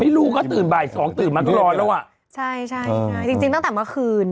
ลูกก็ตื่นบ่ายสองตื่นมาก็ร้อนแล้วอ่ะใช่ใช่จริงจริงตั้งแต่เมื่อคืน